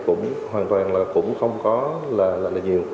cũng hoàn toàn là cũng không có là rất là nhiều